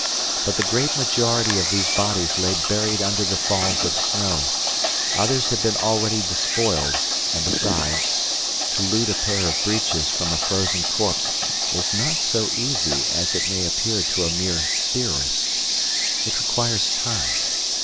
But the great majority of these bodies lay buried under the falls of snow, others had been already despoiled; and besides, to loot a pair of breeches from a frozen corpse is not so easy as it may appear to a mere theorist. It requires time.